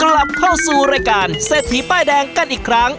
กลับเข้าสู่รายการเศรษฐีป้ายแดงกันอีกครั้ง